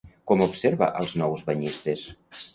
Com observa als nous banyistes?